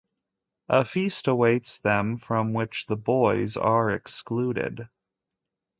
A feast awaits them from which the boys are excluded.